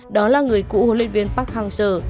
đó là người cũ huấn luyện viên park hang seo